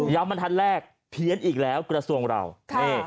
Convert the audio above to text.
ย้ำมาทัดแรกเพี้ยนอีกแล้วกระทรวงศาสตร์เรา